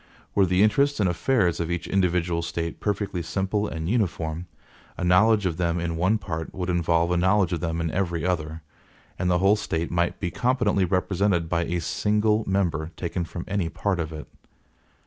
Were the interests and affairs of each individual State perfectly simple and uniform, a knowledge of them in one part would involve a knowledge of them in every other, and the whole State might be competently represented by a single member taken from any part of it.